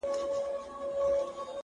نه هغه ژوند راپاته دی نه هاغسې سازونه;